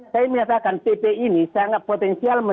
saya menyatakan pp ini sangat potensial